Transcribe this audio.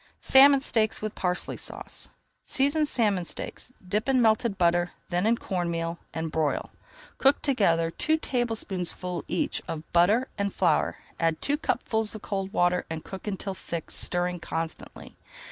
SALMON STEAKS WITH PARSLEY SAUCE Season salmon steaks, dip in melted butter, then in corn meal, and broil. Cook together two tablespoonfuls each of butter and flour, add two cupfuls of cold water, and cook until thick, stirring constantly.